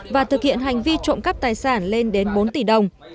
và thực hiện hành vi trộm cắp tài sản lên đến bốn tỷ đồng